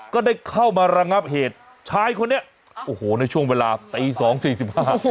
ก็ได้เข้ามาระงับเหตุชายคนนี้โอ้โหในช่วงเวลาตี๒๔๕